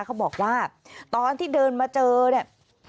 เขาบอกว่าตอนที่เดินมาเจอเนี่ย